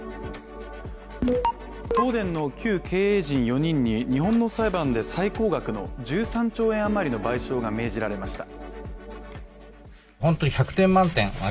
東電の旧経営陣４人に、日本の裁判で最高額の１３兆円余りの賠償が命じられました。